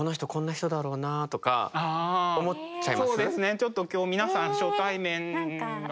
ちょっと今日皆さん初対面が多いから。